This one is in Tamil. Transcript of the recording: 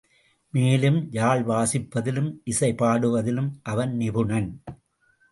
மேலும், யாழ் வாசிப்பதிலும், இசை பாடுவதிலும் அவன் நிபுணன்.